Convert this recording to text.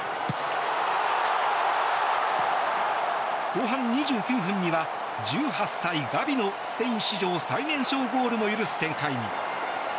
後半２９分には１８歳、ガビのスペイン史上最年少ゴールも許す展開に。